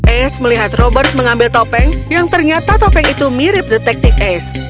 ace melihat robert mengambil topeng yang ternyata topeng itu mirip detektif ace